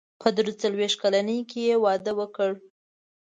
په درې څلوېښت کلنۍ کې يې واده وکړ.